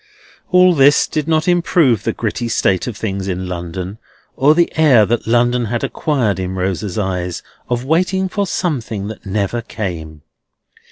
All this did not improve the gritty state of things in London, or the air that London had acquired in Rosa's eyes of waiting for something that never came.